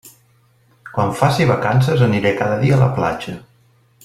Quan faci vacances aniré cada dia a la platja.